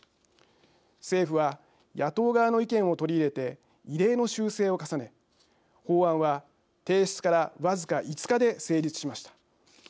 政府は野党側の意見を取り入れて異例の修正を重ね法案は提出から僅か５日で成立しました。